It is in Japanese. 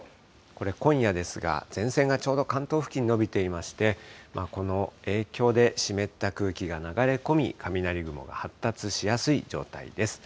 これ今夜ですが、前線がちょうど関東付近に延びていまして、この影響で、湿った空気が流れ込み、雷雲が発達しやすい状態です。